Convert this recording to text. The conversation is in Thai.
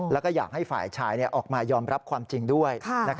แล้วก็อยากให้ฝ่ายชายออกมายอมรับความจริงด้วย